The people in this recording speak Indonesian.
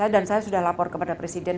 dan saya sudah lapor kepada presiden